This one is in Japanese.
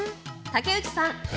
竹内さん